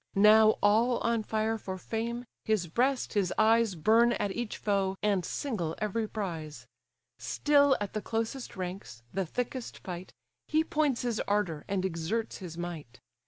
Now all on fire for fame, his breast, his eyes Burn at each foe, and single every prize; Still at the closest ranks, the thickest fight, He points his ardour, and exerts his might.